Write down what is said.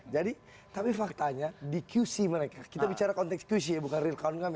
jadi tapi faktanya di qc mereka kita bicara konteks qc bukan real count kami